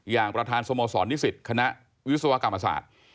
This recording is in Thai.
อย่างประธานสโมสรนิสิตคณะวิศวกรรมศาสตร์